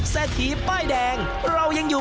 ใส่เครื่องเทศ